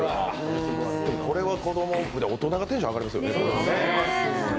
これは子供大人がテンション上がりますよね。